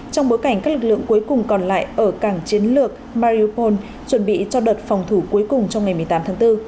trong bối cảnh các lực lượng cuối cùng còn lại ở cảng chiến lược mariopol chuẩn bị cho đợt phòng thủ cuối cùng trong ngày một mươi tám tháng bốn